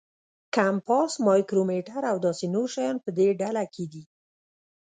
کمپاس، مایکرومیټر او داسې نور شیان په دې ډله کې دي.